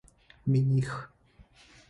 Миних.